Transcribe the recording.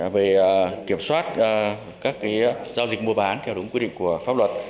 về kiểm soát các giao dịch mua bán theo đúng quy định của pháp luật